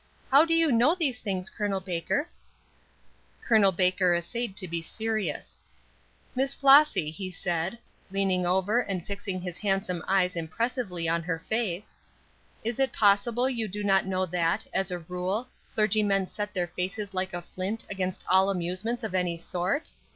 How do you know these things, Col. Baker?" Col. Baker essayed to be serious: "Miss Flossy," he said, leaning over and fixing his handsome eyes impressively on her face, "is it possible you do not know that, as a rule, clergymen set their faces like a flint against all amusements of every sort?